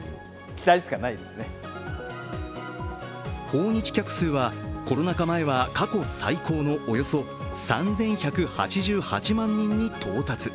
訪日客数はコロナ禍前は過去最高のおよそ３１８８万人に到達。